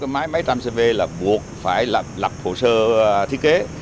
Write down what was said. máy máy trăm cv là buộc phải lập hồ sơ thiết kế